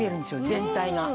全体が。